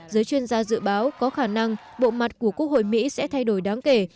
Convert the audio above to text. giới chuyên gia dự báo có khả năng bộ mặt của quốc hội mỹ sẽ thay đổi đáng kể